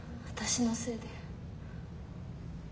私のせいで。